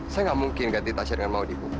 saya nggak mungkin ganti tasya dengan maud ibu